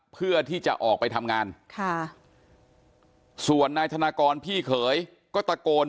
เพื่อที่จะออกไปทำงานค่ะส่วนนายธนากรพี่เขยก็ตะโกน